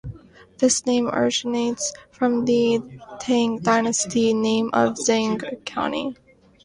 This name originates from the Tang dynasty name of Zhang County.